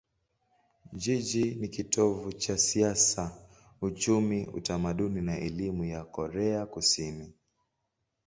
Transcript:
Jiji ni kitovu cha siasa, uchumi, utamaduni na elimu ya Korea Kusini.